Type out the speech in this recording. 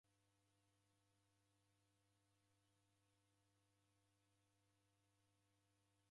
Hospitali rimu rekundika eri kudumikia w'akongo.